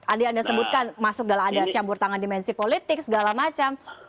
anda sebutkan masuk dalam ada campur tangan dimensi politik segala macam